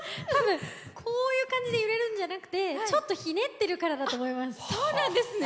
たぶんこういう感じで動くんじゃなくてちょっとひねってるからだと思います。